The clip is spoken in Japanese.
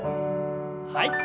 はい。